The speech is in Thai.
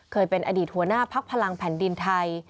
เคยเป็นอดีตหัวหน้าพักพลังแผ่นดินไทย